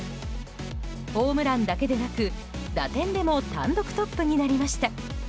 ホームランだけでなく、打点でも単独トップになりました。